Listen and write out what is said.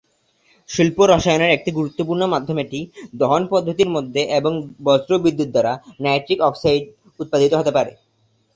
শিল্প রসায়নের একটি গুরুত্বপূর্ণ মাধ্যম এটি, দহন পদ্ধতির মধ্যে এবং বজ্র বিদ্যুত দ্বারা নাইট্রিক অক্সাইড উৎপাদিত হতে পারে।